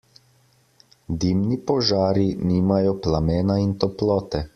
Dimni požari nimajo plamena in toplote.